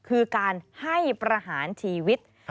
คือการให้ประหารชีวิต